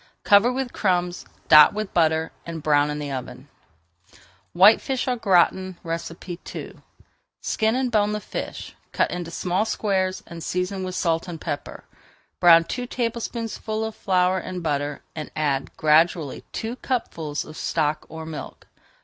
Cover with crumbs, dot with butter, and brown in the oven. WHITEFISH AU GRATIN II Skin and bone the fish, cut into small squares, and season with salt and pepper. Brown two tablespoonfuls of flour in butter, and add gradually two cupfuls of stock or milk.